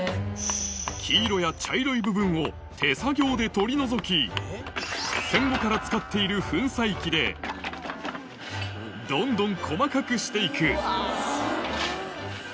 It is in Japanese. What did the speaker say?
黄色や茶色い部分を手作業で取り除き、戦後から使っている粉砕機でどんどん細かくしていく。